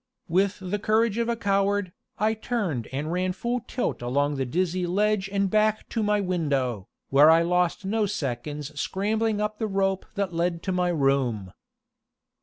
With the courage of a coward, I turned and ran full tilt along the dizzy ledge and back to my window, where I lost no seconds scrambling up the rope that led to my room.